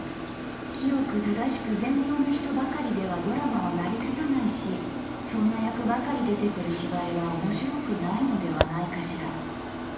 清く正しく善良な人ばかりではドラマは成り立たないしそんな役ばかり出てくる芝居は面白くないのではないかしら。